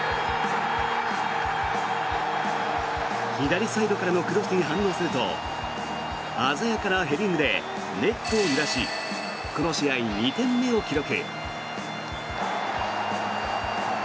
左サイドからのクロスに反応すると鮮やかやなヘディングでネットを揺らしこの試合２点目を記録。